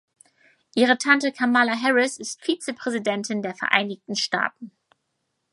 Ihre Tante Kamala Harris ist Vizepräsidentin der Vereinigten Staaten.